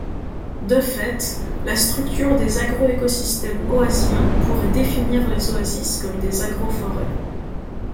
De fait, la structure des agroécosystèmes oasiens pourrait définir les oasis comme des agroforêts.